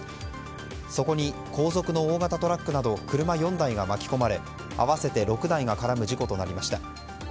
そこに後続の大型トラックなど車４台が巻き込まれ合わせて６台が絡む事故となりました。